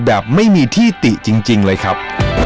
แบบไม่มีที่ติจริงเลยครับ